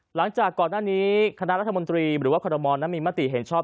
หลังจากก่อนหน้านี้คณะรัฐมนตรีหรือว่าคอรมอลนั้นมีมติเห็นชอบ